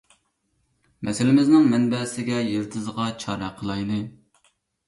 مەسىلىمىزنىڭ مەنبەسىگە، يىلتىزىغا چارە قىلايلى.